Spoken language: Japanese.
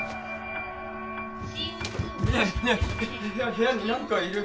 部屋になんかいる！